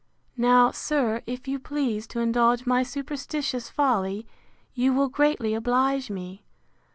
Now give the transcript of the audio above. Now, sir, if you please to indulge my superstitious folly, you will greatly oblige me.